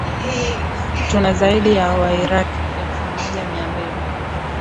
tunazaidi ya wairaki elfu moja mia mbili